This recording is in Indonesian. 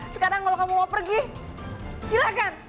sekarang kalau kamu mau pergi silakan pergi sana